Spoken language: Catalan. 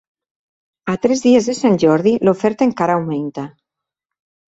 A tres dies de Sant Jordi l'oferta encara augmenta.